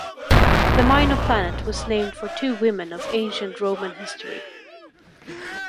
The minor planet was named for two women of ancient Roman history.